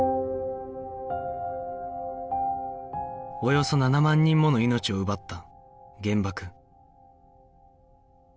およそ７万人もの命を奪った原爆